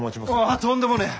ああとんでもねえ。